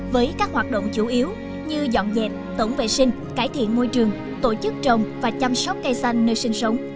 với các hoạt động chủ yếu như dọn dẹp tổng vệ sinh cải thiện môi trường tổ chức trồng và chăm sóc cây xanh nơi sinh sống